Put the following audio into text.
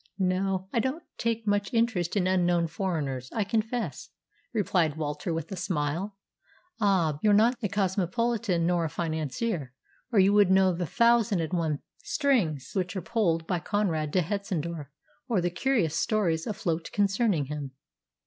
"No, I don't take much interest in unknown foreigners, I confess," replied Walter, with a smile. "Ah, you're not a cosmopolitan nor a financier, or you would know the thousand and one strings which are pulled by Conrad de Hetzendorf, or the curious stories afloat concerning him."